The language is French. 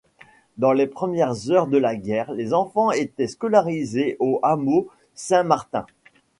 Dans les premières heures de la guerre, les enfants étaient scolarisés au hameau Saint-Martin.